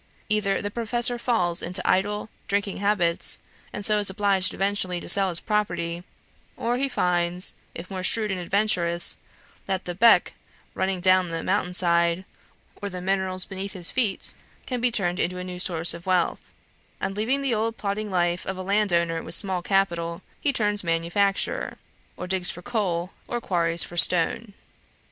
Either the possessor falls into idle, drinking habits, and so is obliged eventually to sell his property: or he finds, if more shrewd and adventurous, that the "beck" running down the mountain side, or the minerals beneath his feet, can be turned into a new source of wealth; and leaving the old plodding life of a landowner with small capital, he turns manufacturer, or digs for coal, or quarries for stone.